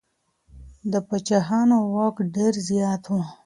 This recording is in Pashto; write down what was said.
د پاچاهانو واک ډېر زيات و.